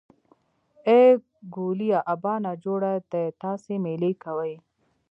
ای ګوليه ابا نا جوړه دی تاسې مېلې کوئ.